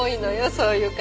そういう方。